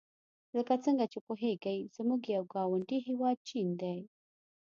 لکه څنګه چې پوهیږئ زموږ یو ګاونډي هېواد چین دی.